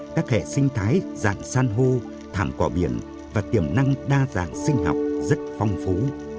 các hệ sinh thái dạng san hô thẳng quả biển và tiềm năng đa dạng sinh học rất phong phú